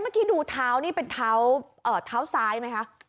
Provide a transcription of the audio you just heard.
เมื่อกี้ดูเท้านี่เป็นเท้าซ้ายไหมคะ